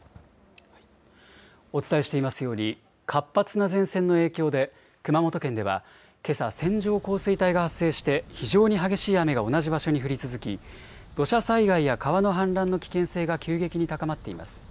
お伝えしていますように活発な前線の影響で熊本県ではけさ線状降水帯が発生して非常に激しい雨が同じ場所に降り続き土砂災害や川の氾濫の危険性が急激に高まっています。